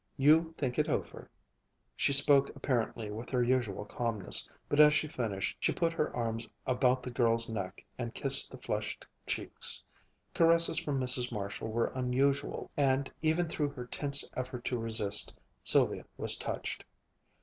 You think it over." She spoke apparently with her usual calmness, but as she finished she put her arms about the girl's neck and kissed the flushed cheeks. Caresses from Mrs. Marshall were unusual, and, even through her tense effort to resist, Sylvia was touched.